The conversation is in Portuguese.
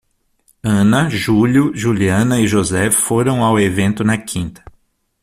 Ana, Júlio, Juliana e José foram ao evento na quinta.